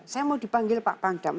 saya mau dipanggil pak pangdam